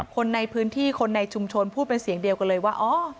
คนในพื้นที่คนในชุมชนพูดเป็นเสียงเดียวกันเลยว่าอ๋อ